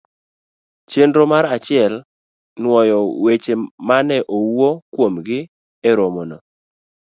Chenro mar achiel. Nwoyo weche ma ne owuo kuomgi e romono